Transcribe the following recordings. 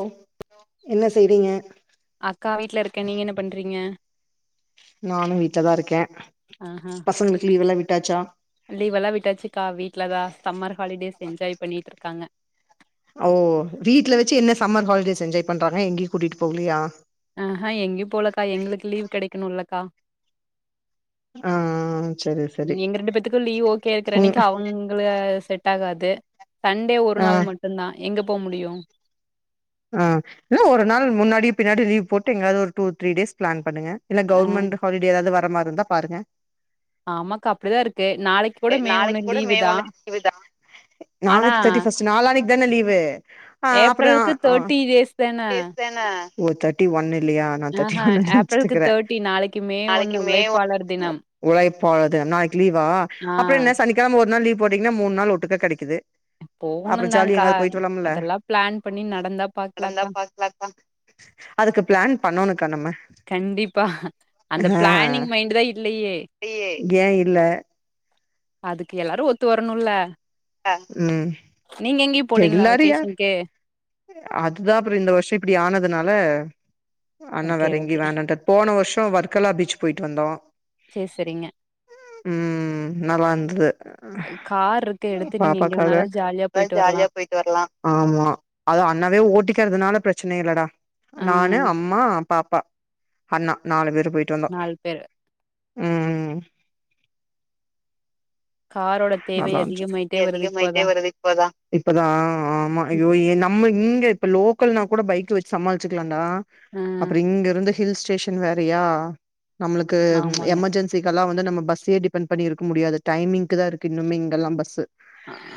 உ என்ன செய்வீங்க அக்கா வீட்ல ருக்கே நீங் என்ன பண்றீங்க நானு வீட்ல தா ருக்கே ஆஹா பசங்ளுக்கு லீவெல்லா விட்டாச்சா ட்லதா சம்மர் ஹாலிடேஸ் என்ஜாய் பண்ணிட் ருக்காங்க ஓ வீட்ல வச்சு என்ன சம்மர் ஹாலிடேஸ் என்ஜாய் பண்றாங்க எங்யும் கூட்டிகிட்டு போகலையா ஆஹ்ஹா எங்யும் போலக்கா எங்ளுக் லீவ் கெடைக் க்கணுல்லக்கா ஆ சரி சரி எங்க ரெண்டு பேத்துக்கும் லீவ் ஓகே இருக்கிற ம் அன்னைக்கு அவங்கள செட் ட்டாகாது சண்டே ஒரு ஆ நாள் மட்டுந்தா எங்கப் போமுடியு ஹா ல்ல ஒரு நாள் முன்னாடி பின்னாடி லீவ் போட்டு எங்காவ்து ஒரு டூ த்ரீ டேஸ் பிளான் பன்னுங்க இல்ல அ கவர்மெண்ட்ஹாலிடே ஏதாவ்து வ ட்ற மார் ருந்தா பாருங்க ஆமாக்கா அப்டிதா இர்க்கு நாளைக் குட மே ஒண்ணு நாளைக்கு கூட லீவு மே தா ஒண்ணு லீவு தா ஆனா தன லீவு அ அப்புறோ தர்ட்டி டேஸ் தான தட்டி ஒன்னு ல்லியா நா தேட்டி ஆஹா ஒன்னு ன் ஏப்ரலுக்கு நென்ச்சுட்டுருக்குறே தேர்ட்டி நாளைக்கு மே ஒண்ணு நாளக்கி மே ஒ உழைப்பாளர் தினம் உழைப்பாளர் தினக் நாளைக்கு லீவா ஆ அப்றென்ன சனிக்கெழம ஓர் நாள் லீவ் போட்டீங்னா மூண் நாள் ஒட்டுக்க கெடைக்குது போவ்ணு அப்புறோ ஜாலியா தாங்கா எங்காவது போயிட்டு வரலாம்ல அதெல்லா பிளான் பண்ணி நடந் நடந்தா பாக்லாகா அதுக்கு பிளான் பண்ணனோ கண்டிப்பா அந்த பிளானிங் மைண்ட் தா இல்லையே ஏன் இல்ல அதுக்கு எல்லாரும் ஒத்து வரணுல்ல அ ம் போலீங்ளா எல்லாரு யார் வெகேஷ்னுக்கு அதுதா அப்புறோ இந்த வருஷோ இப்டி ஆனதுனால அண்ணா ஓகே, வேற ஓகே. எங்கியு வேணான்டாரு போன வருஷ்ம் ம் வர்கலா பீச் போயிட்டு வந்தோம் சரி, சரிங்க. ம் நல்லா இருந்தது கார் இருக்கு எடுத்து நீங்க எங்க பாப்பாக்காக வேணாலும் ஜாலியா நல்லா போயிட்டு ஜாலியா வரலாம். போயிட்டு வர்லாம் ஆம்மா அண்ணாவே ஓட்டிக்கிறதுனால பிரச்சனே இல்லடா ஆ நானு அம்மா அப் பாப்பா அண்ணா நாலு பேரு போயிட்டு வந்தோ நால் பேரு ம் காரோட தேவை நல்லா இருந்துச் அதிகமாயிட்டே வருது இப்போதான். இப்பதா ஆ ஆமா ஐயோ ஏ நம்ம இங்க இப்ப லோக்கல்னா கூட பைக் வெச்சு சமாளிச்சிக்லாண்டா ஆ அப்புறோ இங்க இருந்து ஹில் ஸ்டேஷன் வேறயா நம்முளுக்கு ம் ஆமாங்க. எமெர்ஜென்சிக்கெல்லாம் வந் து நம்ம பஸ்ஸே டிபெண்ட் பண்ணி இருக்க முடியாது டைமிங்கு தா இருக் கு இன்னும் மிங்கலா பஸு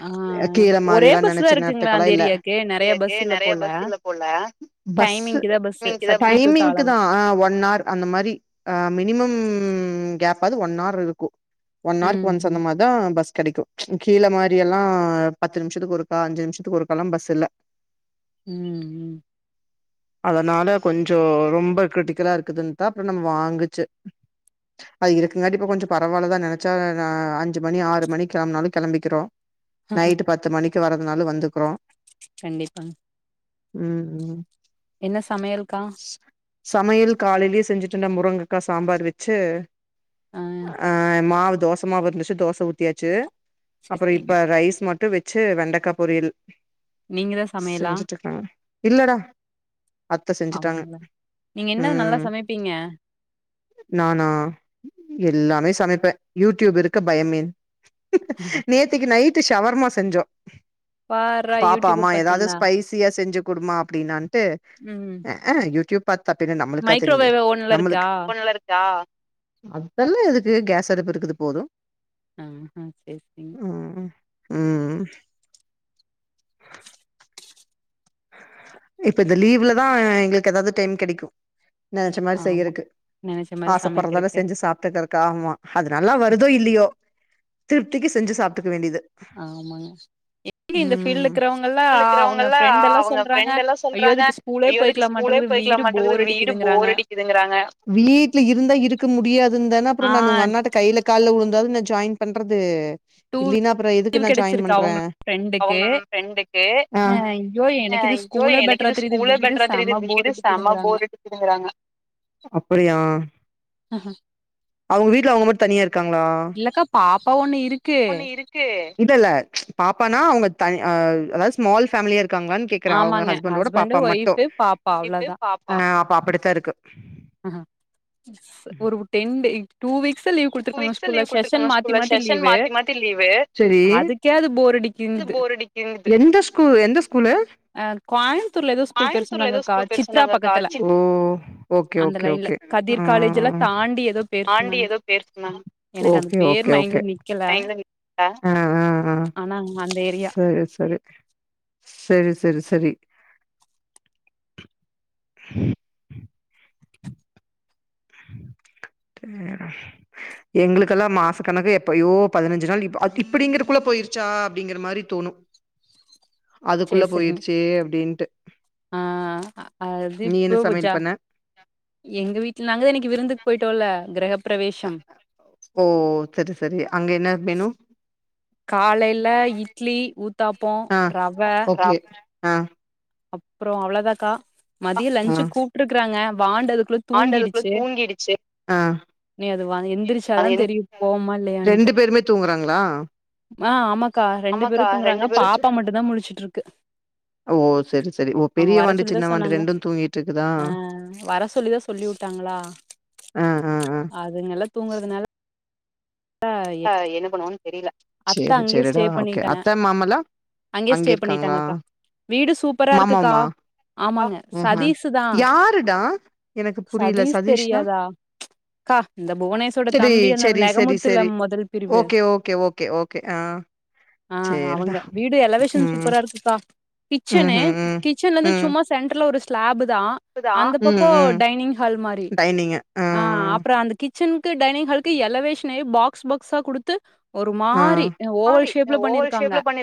ஆ கீழெ ஒரே மாரியெல்லா பஸ் நெனைச்ச தான் இருக்குங்களா நேரத்துக்கலா அந்த இல்ல ஏரியாக்கு? நெறைய கீழ பஸ் கீழ இல்ல நெறைய போல. பஸ்ஸில்லப் போல பஸ்ஸு டைமிங்க்கு தான் பஸ். டிமிங்குதா சத்தி டூ தாளவ டைமிங்குதா ஆஹ் ஒன்ஹார் அந்த மாரி ஆஹ் மினிமம் ம் கேப்பாவ்து ஒன் ஆர் இருக்கு ஒன் ஆர்க் ம், ஒன்ஸ் ம், அந்தமார்தா பஸ் கெடைக்கும் கீழ மாரி எல்லாம் பத்து நிமிஷத்துக்கு ஒருக்கா அஞ்சு நிமிஷத்துக்கு ஒருக்காலா பஸ் இல்ல ம் அதனால கொஞ்சோ ரொம்ப கிரிடிகல்லா இருக்குதுன்தா அப்றோ நம்மோ வாங்குச்சு அது இருக்குங்காட்டி இப்ப கொஞ்சோ பரவாலதா நெனச்சா நா அஞ்சு மணி ஆறு மணிக் கெளம்புனாலு கெளம்பிக்கிறோ நைட்டு பத்து மணிக் கு வரதுனாலு வந்துக்குறோ கண்டிப்பா ம் ம் என்ன சமையல்க்கா சமையல் காலேலயே செஞ்சுட்டன்டா முருங்கக்கா சாம்பார் வச்சு ஆ அ மாவு தோசமாவு இருந்திச்சு தோச ஊத் தியாச்சு சரி, அப்புறோ சரிங்க. இப்ப ரைஸ் மட்டு வெச் ச்சு வெண்டக்கா பொரியல் நீங்க தா சமையலா செஞ்சுட்டுருக்காங்க இல்லடா அத்த செஞ்சுட்டாங்க அவங்கள நீங்க என்ன நல்லா ம் சமைப்பீங்க நானா எல்லாமே சமைப்பே யூடியூப் இருக்க பயமேன் நேத்திக்கு நைட்டு சவர்மா செஞ்சோம் பார்றா பாப்பா யூடியூப அம்மா ஏதாவது பாத்துங்களா ஸ்பைசியா செஞ்சு குடும்மா அப்டின்னான் ட்டு ம் அஹ யூட்டூயூப் தப்டினா நம்மளுக்கா தெரியுது மைக்ரோவேவ் ஓன்ல இருக்கா நம்மளுக்கு அதெல்லா எதுக்கு கேஸ் அடுப்பு இருக்குது போதும் ஆ அ சரி சரிங்க ம் இப்ப இந்த லீவ்லதா எங்களுக்கு ஏதாவது டைம் கெடைக்கும் நெனைச்சமாரி ஆமா செய்யறக்கு நெனைச்ச மாரி ஆசைப்படுறதெலா சமைக்கிறக்கு செஞ்சு சாப்ட்டுக்கற காமா அது நல்லா வருதோ இல்லையோ திருப்திக்கு செஞ்சு சாப்ட்டுக்க வேண்டியது ஆமாங்க எப்டி இந்த ஃபீல்டு ம் இருக்கிறவங்கல்லா அவங்க இருக்கிறவங்கல்ல ஃப்ரெண்டெல்லா வீட்ல மாட்ருக்குது வீடு போர் அடிக்குதுங்கறாங்க இருந்தா இருக்க முடியாதுன்தான அப்புறோ ஆ நானு உங்க அண்ணாட்ட கையில கா கால்ல வுழுந்தாவுது நா ஜாயின் பண்றது இல்லைன்னா அப்புறோ எதுக்கு லீவ் நா ஜாயின் கெடச்சிருக்கு பண்ற அவங்க ஃப்ரெண்டுக்கு அவங்களோட ஃபிரெண்டுக்கு அ அஹ் ஐயோ எனக்கு அஹ் இது ஐயோ ஸ்கூலே எனக்கு பெட்டரா இது தெரியுது ஸ்கூலே வீடு பெட்டரா தெரியுது செம போர் வீடு செம அடிக்குதுங்கறாங்க போர் அடிக்கிதுங்றாங்க அப்படியா அவுங்க வீட்ல அவுங்க மட்டு தனியா இரு இல்லக்கா பாப்பா ஒண்ணு இருக்கு பொண்ணு இருக்கு இல்ல இல்ல ப்ச் பாப்பானா அவுங்க தனி அஹ் அதாவது ஸ்மால் ஃபேமிலியா இரு க்காங்களான்னு கேக்குற அவுங்க ஆமாங்க ஹஸ்பண்டோட ஹஸ்பண்டு பாப்பா மட்டூ ஒய்ஃபு பாப்பா இது பாப்பா, அஹ் அப்டித்தா இருக்கு ஆஹா ஒரு ten day two week sir leave two குடுத்துருக்காங்க வீக்ஸா ஸ்கூல்ல லீவ் செஷன் குடுத்துருக்காங்க மாத்தி ஸ்கூல்ல மாத்தி செஷன் லீவு மாத்தி மாத்தி லீவு செரி அதுக்கே அது போர் அடி எந்த ஸ்கூ எந்த ஸ்கூலு அ கோயம்புத்தூர்ல ஏதோ ஸ்கூல் பேர் சொன்னாங்கக்கா சித்ரா பக்கத்துல ஓ ஓகே அந்த ஓகே லைன்ல கதிர் காலேஜ் எல்லா ஆஹ் தாண்டி ஏதோ பேர் சொன்னாங்க எனக்கு அந்த ஓகே பேர் ஓகே ஓகே மைண்ட்ல நிக்கல அஹ் அஹ் அஹ் ஆனா அந்த ஏரியா செரி செரி செரி செரி செரி எங்களுக்கெல்லா மாசக்கணக்கு எப்பயோ பதுனஞ்சு நாள் இப் அ இப்டிங்கிறக்குள்ள போயிருச்சா அப்டிங்கிற மாரி தோணு அதுக்குள்ள போயிருச்சே அப்டின்ட்டு ஆஹ் அது நீ என்ன இப்பவே போச்சா சமையல் பண்ண எங்க வீட்ல நாங்கதா இன்னக்கி விருந்துக்கு போய்ட்டோல்ல கிரகப் பிரவேஷம் ஓ சரி சரி அங்க என்ன மெனு காலைல இட்லி ஊத் த்தாப்போ ரவ ஆஹ் அப்றோ அவ்ளதாக்கா மதிய லன்ச்சுக் கூப்ட்ருக்றாங்க வாண்டது ஆஹ் நீ அது வா எந்திரிச்சாதா தெரியு போவோமா ரெண்டு பேருமே தூங்குறாங்களா ஆஹ் ஆமாக்கா ரெண்டு பேரு ஆமாக்கா தூங்குறாங்க ரெண்டு பேரு பாப்பா மட்டுந்தா முளிச்சுட்டு இருக்கு ஓ சரி சரி ஓ அவுங்க பெரிய வர வாண்டு சொல்லிதா சின்ன வாண்டு சொன்னாங்க ரெண்டு தூங்கிட்டு இருக்குதா ஆஹ் வர சொல்லிதா சொல்லிவுட்டாங்களா ஆ ஆ ஆ அதுனால தூங்குறதுனால ஆஹ் என்ன பண்ணுவாங் அத்த அங்கே ஸ்டே பண்ணிட்டாங்க மாமல்லா அங்கே அங்க ஸ்டே இருக்காங்களா பண்ணிட்டாங்கக்கா வீடு சூப்பரா இருக்குக்கா மாமாவுமா ஆமாங்க ம் ஹு சதீஸு தா யாருடா எனக்கு புரியல சதீஸ் சதீஷ்னா தெரியாதா ச்சு க்கா இந்த புவனேசோட சரி தம்பி அந்த சரி சரி சரி நெகமுத்துல மொதல் ஓகே ஓகே ஓகே ஓகே ஆஹ் ஆஹ் அவுங்க வீடு எலவேஷன் ம். சூப்பரா இருக்குக்கா கிச்சனு ம்ஹ்ம். ம். கிச்சன்லருந்து ம். சும்மா சென்ட்ரு ன்ல ஒரு ஸ்லாபு தா க்குதா? அந்த ம், பக்கோ ம். டைனிங் ஹால் மாறி டைனிங்கு. ஆ, ஆஹ் அப்ற அந்த கிச்சன் க்கு டைனிங் ஹால்க்கு எலவேஷ்னே பாக்ஸ் பாக்ஸ்சா குடுத்து ஒரு மாரி ஆஹ் ஆஹ் ஓவல் ஷேப்ல பண்ணியிருக்காங்க. ஆஹ்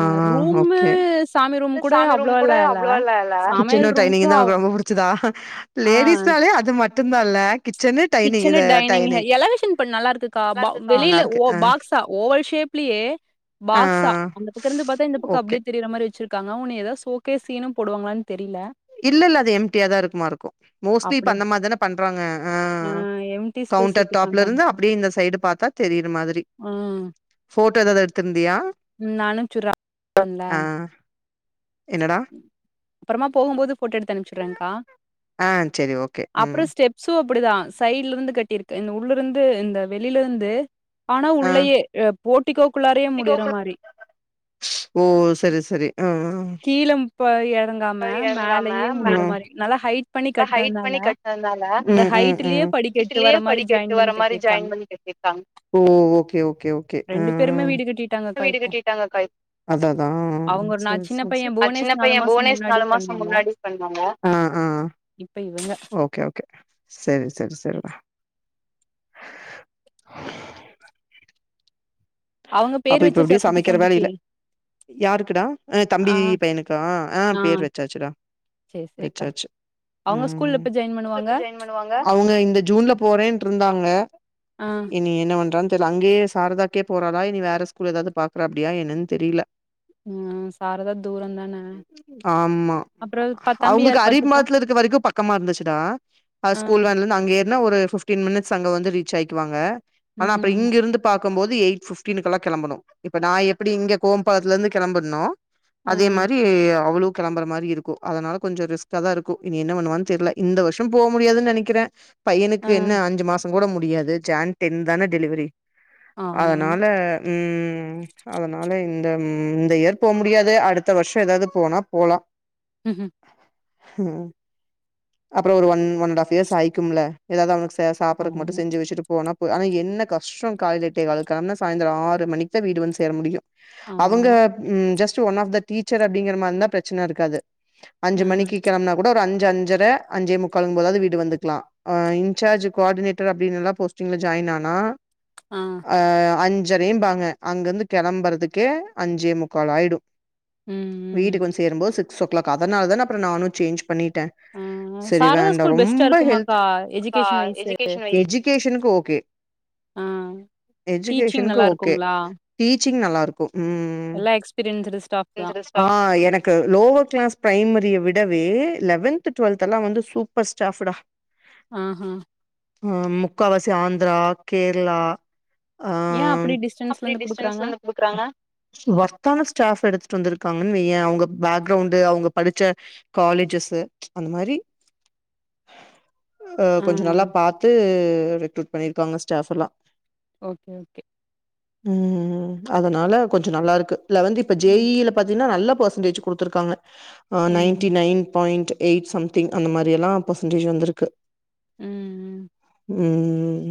அ ஆஹ் ரூமு ஓகே சாமி ரூம் கூட அவ்ளோலாம் இல்ல. கிச்சனு சமையல் ரூம்க்கு டைனிங்குதா அவ் ஒனக் ரொம்ப புடிச்சதா லேடிஸ்னாலே அதுமட் டுந்தால்ல கிட் கிச்சன்னு டைனிங் எ எலவேஷன் இப்ப நல்லா இருக்குக்கா நல்லா பா இருக்குக்கா. வெளியில நல்லாருக்கு. ஒ ஆ, பாக்ஸா ஓவல் ஷேப்லயே ஆ. பாக்ஸா அந்த பக்கம் இருந்து பாத்தா இந்த பக்கம் ஓகே. அப்பிடியே தெரியிற மாறி வச்சிருக்காங்க ஒன்னே ஏதாது சோகேசினு போடுவாங்களானு இல்ல இல்ல அது எம்டியா தான் இருக்குமா இருக்கும் மோஸ்ட்லி இப்ப அப்டி அந்த மாதிரி தானே பண் றாங்க ஆ ஆஹ எம்டி ஸ்பேஸ் கவுண்டர் விட்டு டாப்ல பண்றாங்க. இருந்து அப்டியே இந்த சைடு பாத்தா தெரிற மாதிரி ம் போட்டோ எதாவது எடுத்திருந்தியா நான் அனுப்ச்சுட்றேன். அஹ அப்புறமா போகும்போது போட்டோ எடுத்து அனுப்சுடுறேன்கா ஆஹ் செரி ஓகே உம் அப்பிடிதான் சைடல இருந்து கட்டிருக்கு இந்த உள்ளிருந்து இந்த வெளில இருந்து ஆனா ஆ உள்ளையே ஏ போட்டிக்கோ ஓ செரி செரி ஆஹ் ஆஹ் கீழ ப இறங்கமா மேலேயே முடியிற மாறி நல்லா ஹெ நல்லா ஹெயிட் பண்ணி கட்டுனனால அந்த ம்ம் ஹைட்லயே ம்ம் படிக்கட்டு வீட்டிலே வர மாரி ஜாயின் படிக்கட்டு வார பண்ணி மாறி ஜாயின் கட்டியிருக்காங்க. பண்ணி கட்டி இருக்காங்க ஓகே ஓகே பேருமே வீடு பெரிய கட்டிட்டாங்கக்கா வீடு இப்போ. கட்டிட்டாங்க அக்கா அதான் அதான் அவங்க ஒரு செரி நான் சின்ன செரி பையன் ஆ சின்ன புவனேஷ் பையன் மாசம் புவனேஷ் முன்னாடி நாலு மாசம் பண்ணாங்க. முன்னாடி பண்ணாங்க ஆஹ் ஆஹ் இப்ப இவங்க. ஓகே ஓகே செரி செரி செரி டா அவங்க அப்ப பேர் இப்ப எப்டி வச்சாச்சா குட்டி சமைக்கிற வேல தம்பிக்கு? இல்ல யாருக்குடா தம்பி ஆ, பையனுக்கா ஆஹ் ஆ பேர் வச்சாச்சுடா சரி, சரிக்கா. வச்சாச்சு அவங்க ஸ்கூல்ல ம்ம்ம் எப்ப ஜாயின் ஸ்கூல் பண்ணுவாங்க? எப்ப ஜாயின் பண்ணுவாங்க அவங்க இந்த ஜூன்ல போறேன் இருந்தாங்க ஆ, இனி என்ன பண்ற இல்ல அங்கே சாரதாக்கே போறாளா இனி வேற ல்ல ஸ்கூல் ஏதாது பாக்குற அப்பிடியா என்னன்னு தெரில ம் சாரதா தூரம் தான. ஆமா அப்புறம் ப அவங்களுக்கு தம்பியார் அரி பாத்துப்பா மாத்துல இருக்க வரைக்கும் பக்கமா இருந்துச்சுடா அ ஆ, ஸ்கூல் வேன்ல இருந்து அங்க ஏறுனா ஒரு ஃபிப்டின் மினிட்ஸ் அங்க வந்து ரீச் ஆயிக்கு வாங்க ஆனா அப்ப ம், இங்கேருந்து பாக் பாக்கம்போது எய்ட் ஃபிஃப்டீனுக்குல்லா கெளம்பணு இப்ப நா எப்டி இங்க கோஅம்பாளத்துலருந்து கெளம்புறனோ ஆ, அதே மாரி அவளு கெளம்புற மாரி இருக்கு அதனால கொஞ்சொ ரிஸ்க்கா தா இருக்கு இனி என்ன பண்ணுவான் தெர்ல இந்த வர்ஷொ போ முடியாதுன் நெனக்கிற ஆ, பையனுக்கு என்ன அஞ்சு மாசங் கூட மு முடியாது ஜான் டென் தான டெலிவரி ஆமாங்க. அதனால உம் அதனால இந்த ம் இந்த இயர் போ முடியாது அடுத்த வர்ஷொ ஏதாது போனா போலா ம் ஹ்ம் ம் அப்பறோ ஒரு one one and half years ஆயிக்கும்ல ஏதாவ்து அவ சாப்புர்றக்கு மட்டு ஆமா, செஞ்சு வச்சுட்டு போனா ஆனா என்ன கஷ்டொ காலைல எட்டே காலுக்கு கெளம்புனா சாயந்தரொ ஆ று மணிக்குதா வீடு வந்து சேர முடியு அவுங்க ஆமா. ம் just one of the teacher அப்டிங்கெற மாரி இருந்தா ப்ரச்சன இருக்காது ஆ, அஞ்சு மணிக்கி கெளம்புனாக் கூட ஒரு அஞ் சு அஞ்சர அஞ்சே முக்கால்கம் போதாது வீட்டுக் வந்துக்லா ஆ இன்சார்ஜு கோ ஆடிநேட்டர் அப்டின்லா போஸ்டிங்ல ஜாயின் ஆனா ஆ, அ அஞ் பேம்பாங்க அங்கருந்து கெளம்பறதுக்கே அஞ்சே முக்கால் ஆயிடு ம், ம். வீட்டுக்கு வந்து சேரும் போது சி க்ஸ் ஓ க்ளாக் அதனாலதா நா அப்றொ நானு சேஞ்ச் பண்ணிட்ட ஆ, சரி சாரதா வேண்டா ஸ்கூல் பெஸ்ட்டா ரொம்ப ஹெல்த் இருக்குமாக்கா? Education wise. எஜீகேஷனுக்கு ஓகே எஜீகேஷனுக்கு ஓக் க்குங்ளா ச்சிங் நல்லா இருக்கு ம் ஸ்டாஃப் தான். ஆ எனக்கு லோவர் க்ளாஸ் ப்ரைமரிய விட் டவே லெவன்த்து டுவெல்த்தெல்லா வந்து சூப்பர் ஸ்டாஃபுடா ஆ ஹா ஆ முக்காவாசி ஆந்த்ரா கேர்ளா ஏ அப்டி டிஸ் ஒர்த்தான ஸ்டாஃப் எடுத் து வந்துருக்காங்கன் வைய அவுங்க பேக்ரவுன்டு அவுங்க படிச்ச காலேஜஸு அந்த மாரி ஆ கொஞ்சொ நல்லா பாத்து ரெக்ருட் பண்ணிருக்காங்க ஸ்டாஃபெல்லா ஓகே ஓகே ம் ம் அதனால கொஞ்சொ நல்லா இருக்கு லெவன்த்து இப்ப ஜே ம், இ ல பாத்தீங்னா நல்லா பர்சன்டேஜ் குடுத்துருக்காங்க ஆஹ் நைன்டி ம், நைன் பாயிண்ட் எயிட் சம்திங் அந்த மாரி எல்லா பெர்சன்டேஜ் வந்துருக்கு உம் உம் உம்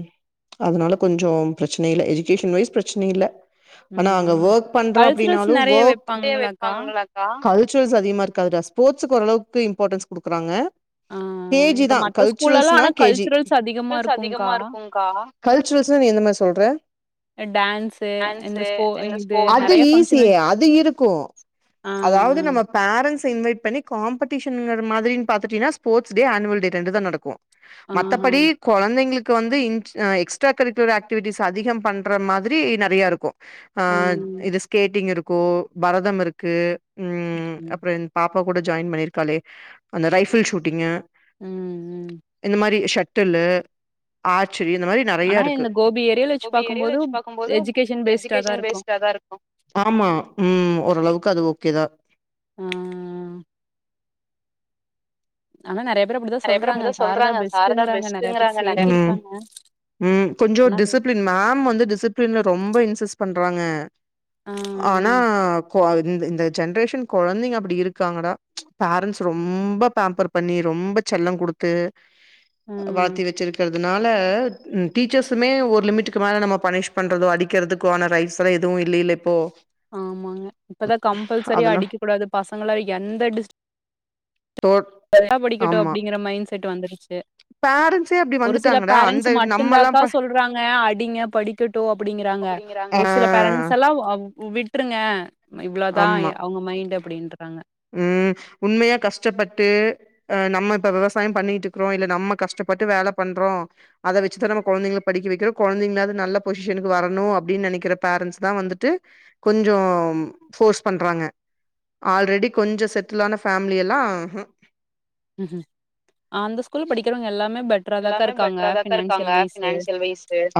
அதனால கொஞ்சோ ப்ரச்சன இல்ல எஜி கேஷன் வைய்ஸ் ப்ரச்சன இல்ல ஆனா அங்க ம். ஒர்க் பண்றோ கல்ச்சுரல்ஸ் அப்டின்னாலு நெறைய ஒர்க் இப்பியே வைப்பாங்களாக்கா? வைப்பாங்கல்லா அக்கா கல் சுரல்ஸ் அதிகம இருக்கது டா ஸ்போட்ஸ்க்கு ஓரளவுக்கு இம்பார்டன்ஸ் குடுக்றாங்க ஆ, கேஜி இப்ப தா மத்த ஸ்கூல்லலாம் கல்சுரல்ஸ்னா ஆனா கேஜி கல்ச்சுரல்ஸ் அதிகமா கல்சுரல்ஸ் அதிகமா இருக்குங்க்கா. இருக்கும்கா கல்சுரல்ஸ்னு நீ எந்த மாரி சொல்ற டான்ஸு இந்த ஸ்போ இது அது நெறைய ஈசி ஃபங்ஷன் வச் அது இருக்கும் ஆ அதாவ்து நம்ம ஆ. பேர பேரன்ஸ இன்வைட் பண்ணி காம்படிஷங்கற மாத்ரினு பாத்திடின ஸபோர்ட்ஸ் டே ஆன்வல் டே ரெண்டு தா நடக்கும் ஆஹா. மத்தபடி கொழந்தைங்களுக்கு க்கு வந்து எக்ஸ்ட்ரா கரிக்குலர் ஆக்டிவிட்டிஸ் அதிகம் பண்ற மாத்ரி நறைய இருக்கும் ஆ. ஆஹ் இது ஸ்கேட்டிங் இருக் கோ பரதம் இருக்கு உம் ம். அப்றோ என் பாப் இப்ப கூட ஜாயின் பண்ணிருக்காலே அந்த ரைபிள் ஷூட்டிங்கு ம், ம். இந்த மாரி ஷட் டுல்லு [unintelligible] ஆனா இந்த கோபி ஏரியல [inaudible] தான் இருக்கும். ஆமா உம் ஓ ஓர அளவுக்கு அது ஓகேதா ஆஹ் ஆன நறையப் நறைய பேரு அப்டி தா சொல்றாங்க சாரதா நெறைய பேர் பெஸ்ட்டுங்குறஙக நறைய பேரு சேர்த்திருக்காங்க. உம் கொஞ்சோ ஆனா டிசிப்ளின் மேம் வந்து டிசிப்ளின ரொம்ப இன்சஸ் பண்றாங்க ஆ. ஆனா இப்போ இந்த இந்த ஜென்ரேஷன் கொழந்தைங்க அப்டி இருக்காங்கடா பேரண்ட்ஸ் ரொம்ப பேம்பர் பண்ணி ரொம்ப செல்லம் குடுத்து ஆ ம். வாத்தி வச்சிருக்குறது அதனால உம் டீச்சர்ஸுமே ஒரு லிமிட்டுக்கு மேல நம்ம பனிஷ் பண்ணுறதோ அடிக்கிறதுக்கு ஆன ரைட்ஸ்லாம் எதுவு இல்லலில இப்போ ஆமாங்க இப்பதா கம்பல்சரியா அதனா அடிக்க கூடாது பசங்கள எந்த டி தோ சரியா படிக்கட்டும் ஆமா அப்டிங்கற மைண்ட் செட்டு வந்துடுச்சு [unintelligible] பேரண்ட்ஸே அப்டி ஒரு சில வந்துட்டாங்கடா அந்த பேரண்டட்ஸ் நம்மல்லா மட்டுந்தாக்கா ப சொல்றாங்க அடிங்க படிக்கட்டு அப்புடிங்கறாங்க அப்டிங்கிறாங்க ஒரு சில பேரண்ட்ஸ் எல்லா அ உ விட்ருங்க இவ்ளோதா ஆமா அவங்க மைண்ட் அப்டின்றாங்க ம் உண்மையா கஷ்டப்பட்டு அ நம்ம இப்ப விவசாயம் பண்ணிட்டுக்கிறோ இல்ல நம்ம கஷ்டப்பட்டு வேல பண்றோ அத வச்சுதா நம்ம கொழந்திங்க படிக்க வைக்கிறோ கொழந்திங்களாவ்து நல்ல பொசிஷனுக்கு வரணு அப்டின் நெனைக்கிற பேரண்ட்ஸ் தா வந்துட்டு கொஞ்சோ ஃபோர்ஸ் பண்றாங்க ஆல்ரெடி கொஞ்சு செட்டில ஆான ஃபேமிலி எல்லா உஉ ம் ம் அந்த ஸ்கூல்ல படிக்கிறவங்க எல்லாமே பெட்டராதாக்கா இருக்காங்க ஃபினான்சியல் வைஸு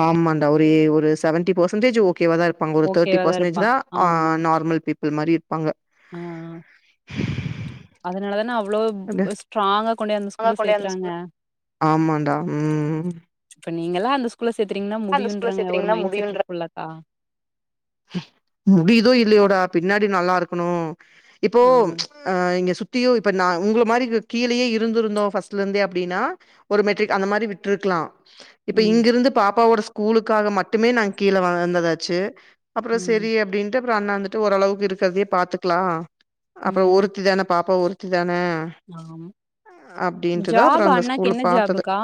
ஆமாண்டா ஒரே ஒரு செவன்டி பேசன்டேஜ் ஓகேவா தா இருப்பாங் ஒரு தேட்டி ஓகேவாதா பேசன்டேஜ் தா அ நார்மல் பீப் பில் மாரி இரு அ அ அதனாலதான அவ அவ்ளோ ப் என்ன ப ஸ்ட்ராங்க ஆமாண்டா ம் இப்ப நீங்கல்லா அந்த ஸ் கூல்ல சேத்துறீங்கன்னா அந்த ஸ்கூல்ல முடியுன்றங்க ஒரு மைண்ட் செட் ருக்குல்லக்கா முடியிதோ இல்லையோடா பின்னாடி நல்லா இருக்கணு இப்போ ஆ அ இங்க சுத் த்தியு இப்ப நா உங்கள மாரி கி கீழியே இருந்துருந்தோ ஃபஸ்ட்லேருந்தே அப்டின்னா ஒரு மெட்ரிக் அந்த மாரி விட்ருக்லா இப்ப ம் இங்கிருந்து பாப்பாவோட ஸ் கூலுக்காக மட்டுமே நா கீழ வ வந்ததாச்சு அப்றோ ம் சேரி அப்டின்ட்டு அப்பறோ அண்ணா வந்துட்டு ஓரளவுக்கு இருக்கற்த்யே பாத்துக்லா அப்பறோ ஒருத்திதான பாப் போ ஒருத்தி தான ஆம் அப்டின்ட்டுதா அப்றோ ஜாபு அந்த அண்ணாக்கு ஸ்கூல்ல என்ன பாத்தது ஜாபுக்கா